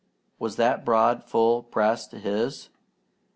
Was that broad full breast his?